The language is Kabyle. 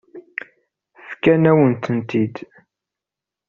Fkan-awen-tent-id.